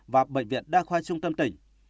và bệnh viện đa khoai trung tâm tỉnh